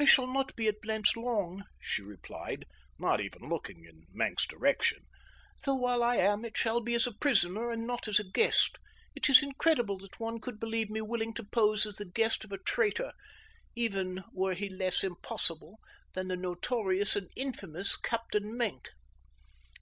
"I shall not be at Blentz long," she replied, not even looking in Maenck's direction, "though while I am it shall be as a prisoner and not as a guest. It is incredible that one could believe me willing to pose as the guest of a traitor, even were he less impossible than the notorious and infamous Captain Maenck."